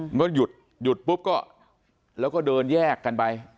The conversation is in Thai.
มันก็หยุดหยุดปุ๊บก็แล้วก็เดินแยกกันไป